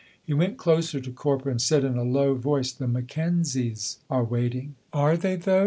He went closer to Corp, and said, in a low voice, "The McKenzies are waiting!" "Are they, though?"